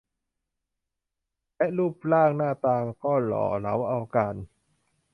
และรูปร่างหน้าตาก็หล่อเหลาเอาการ